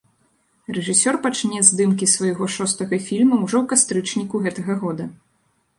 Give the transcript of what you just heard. Рэжысёр пачне здымкі свайго шостага фільма ўжо ў кастрычніку гэтага года.